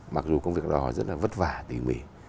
mặc dù công việc đó rất là vất vả tỉ mỉ